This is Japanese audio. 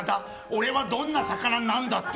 俺はどんな魚なんだって。